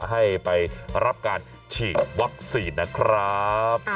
ให้ไปรับการฉีดวัคซีนนะครับ